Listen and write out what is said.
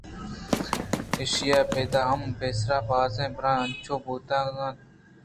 ایشی ءَ ابید ہم پیسرا باز براں انچو بوتگ اَت